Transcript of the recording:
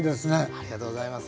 ありがとうございます。